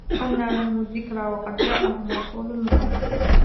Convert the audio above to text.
أَنَّى لَهُمُ الذِّكْرَى وَقَدْ جَاءَهُمْ رَسُولٌ مُبِينٌ